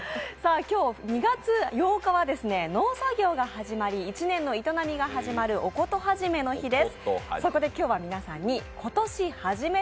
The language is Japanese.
今日２月８日は農作業が始まり１年の営みが始まる御事始めの日です。